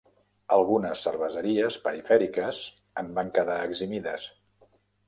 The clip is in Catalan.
Algunes cerveseries perifèriques en van quedar eximides.